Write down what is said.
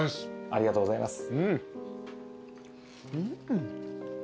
ありがとうございます。